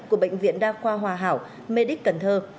của bệnh viện đa khoa hòa hảo mê đích cần thơ